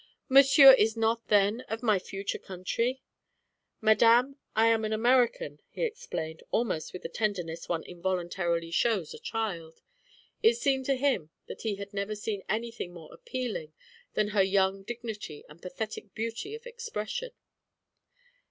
"Monsieur is not then of my future country?" "Madame, I am an American," he explained, almost with the tenderness one involuntarily shows a child. It seemed to him that he had never seen anything more appealing than her young dignity and pathetic beauty of expression.